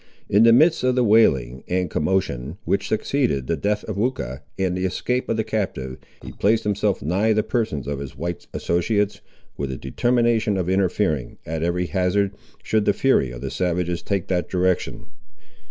In the midst of the wailing and commotion, which succeeded the death of Weucha and the escape of the captive, he placed himself nigh the persons of his white associates, with a determination of interfering, at every hazard, should the fury of the savages take that direction.